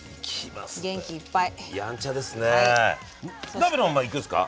鍋のままいくんですか？